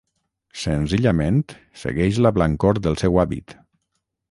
Senzillament segueix la blancor del seu hàbit.